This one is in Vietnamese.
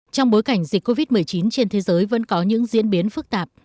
trong bối cảnh dịch covid một mươi chín trên thế giới vẫn có những diễn biến phức tạp